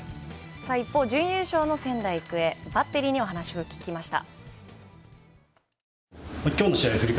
一方、準優勝の仙台育英、バッテリーに話を聞いてきました。